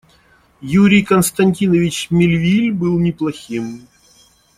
Юрий Константинович Мельвиль был неплохим.